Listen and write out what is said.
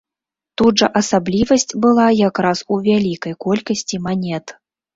Тут жа асаблівасць была якраз у вялікай колькасці манет.